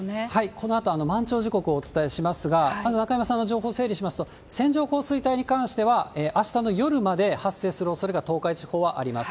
このあと満潮時刻をお伝えしますが、まず中山さんの情報を整理しますと、線状降水帯に関しては、あしたの夜まで発生するおそれが東海地方はあります。